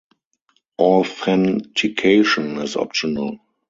Authentication is optional.